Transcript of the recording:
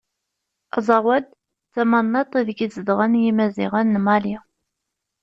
Azawad, d tamennaṭ ideg zedɣen Yimaziɣen n Mali.